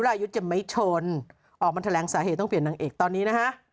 รายุทธ์จะไม่ชนออกมาแถลงสาเหตุต้องเปลี่ยนนางเอกตอนนี้นะฮะ